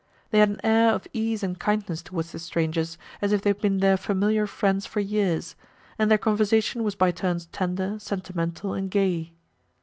They had an air of ease and kindness towards the strangers, as if they had been their familiar friends for years; and their conversation was by turns tender, sentimental and gay.